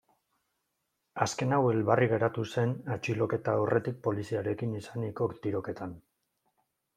Azken hau elbarri geratu zen atxiloketa aurretik poliziarekin izaniko tiroketan.